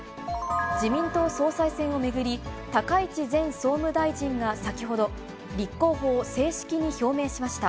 自民党総裁選を巡り、高市前総務大臣が先ほど、立候補を正式に表明しました。